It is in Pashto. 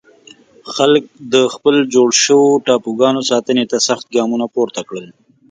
خلک د خپلو جوړ شوو ټاپوګانو ساتنې ته سخت ګامونه پورته کړل.